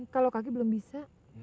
kalau kaki belum bisa